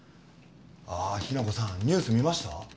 あっ日名子さんニュース見ました？